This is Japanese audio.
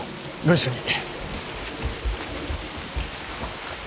ご一緒に。